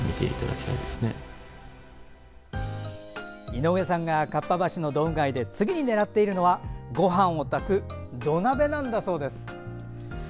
井上さんがかっぱ橋道具街で次に狙っているのはごはんを炊く土鍋なんだそうです。